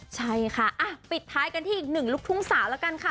ใช่ค่ะปิดท้ายกันที่อีกหนึ่งลูกทุ่งสาวแล้วกันค่ะ